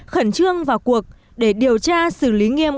khẩn trương vào cuộc để điều tra xử lý nghiêm